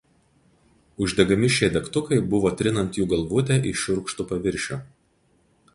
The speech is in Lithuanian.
Uždegami šie degtukai buvo trinant jų galvutę į šiurkštų paviršių.